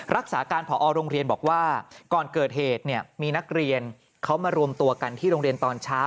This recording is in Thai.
รักษาการพรเราฯบอกว่าก่อนเกิดเหตุมีนักเรียนมารวมตัวกันที่โรงเรียนตอนช้า